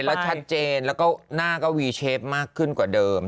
แล้วชัดเจนแล้วก็หน้าก็วีเชฟมากขึ้นกว่าเดิม